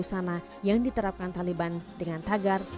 bersama dengan busana yang diterapkan taliban dengan tagar